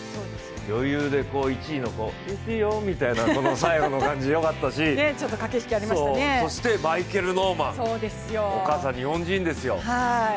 余裕で１位の、行っていいよみたいな最後の感じよかったし、そしてマイケル・ノーマン、お母さん、日本人ですよ。